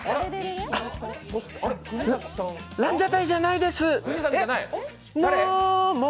ランジャタイじゃないです。